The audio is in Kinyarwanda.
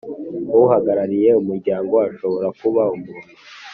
Uhagarariye Umuryango ashobora kuba umuntu